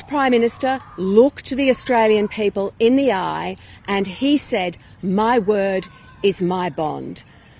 pemimpin ini melihat orang australia dengan mata dan dia bilang kata kata saya adalah bond saya